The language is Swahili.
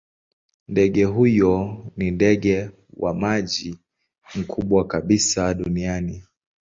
Ndege huyo ni ndege wa maji mkubwa kabisa duniani.